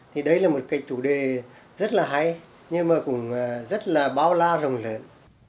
thì đấy là một cái chủ đề rất là hay nhưng mà cũng rất là bao la rồng lớn